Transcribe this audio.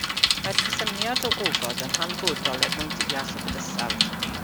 Mae'r cysyniad o ofod yn hanfodol er mwyn deall y bydysawd.